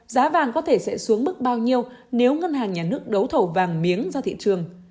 giá vàng có thể sẽ xuống mức bao nhiêu nếu ngân hàng nhà nước đấu thầu vàng miếng ra thị trường